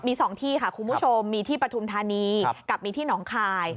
มี๒ที่ค่ะคุณผู้ชมมีที่ปฐุมธานีกับมีที่หนองคาย